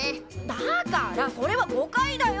だからそれは誤解だよ。